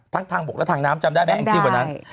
ทั้งทางบกและทางน้ำจำได้ไหมอังกฤษกว่านั้น